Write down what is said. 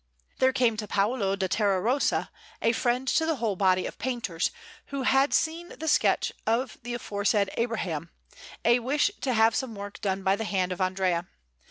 There came to Paolo da Terrarossa, a friend to the whole body of painters, who had seen the sketch for the aforesaid Abraham, a wish to have some work by the hand of Andrea.